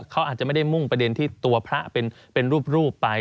เขาอาจจะไม่ได้มุ่งประเด็นที่ตัวพระเป็นรูปไป